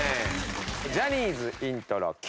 ジャニーズイントロＱ！